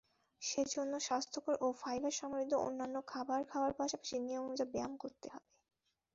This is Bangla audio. সেজন্য স্বাস্থ্যকর ও ফাইবার সমৃদ্ধ অন্যান্য খাবার খাওয়ার পাশাপাশি নিয়মিত ব্যায়াম করতে হবে।